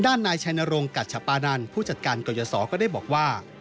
ด้านนายชายนโรงกัจฉปานันผู้จัดการเกาะยศอก็ได้บอกว่า